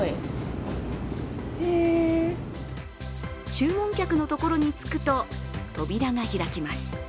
注文客のところに着くと扉が開きます。